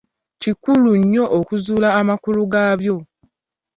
Kikulu nnyo okuzuula amakulu gaabyo.